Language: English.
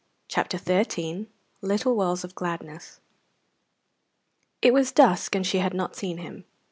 CHAPTER XIII LITTLE WELLS OF GLADNESS It was dusk, and she had not seen him.